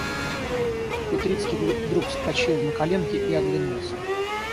Петрицкий вдруг вскочил на коленки и оглянулся.